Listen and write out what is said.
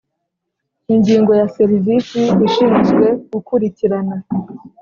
Ingingo ya serivisi ishinzwe gukurikirana